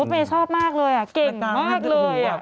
เมย์ชอบมากเลยเก่งมากเลย